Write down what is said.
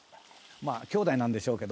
まあきょうだいなんでしょうけど。